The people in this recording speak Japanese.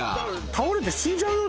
倒れて死んじゃうよ